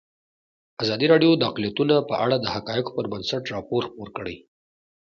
ازادي راډیو د اقلیتونه په اړه د حقایقو پر بنسټ راپور خپور کړی.